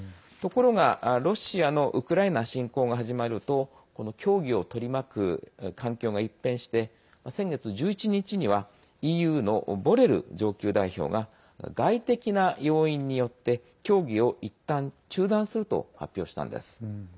ところが、ロシアのウクライナ侵攻が始まると協議を取り巻く環境が一変して先月１１日にはＥＵのボレル上級代表が外的な要因によって協議をいったん中断すると発表したんです。